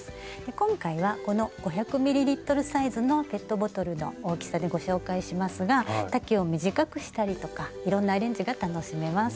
今回はこの５００ｍサイズのペットボトルの大きさでご紹介しますが丈を短くしたりとかいろんなアレンジが楽しめます。